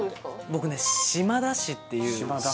僕ね島田市っていう島田？